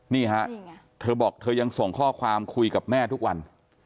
นี่ฮะเธอบอกเธอยังส่งข้อความคุยกับแม่ทุกวัน